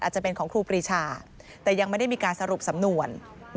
จะเป็นของครูปรีชาแต่ยังไม่ได้มีการสรุปสำนวน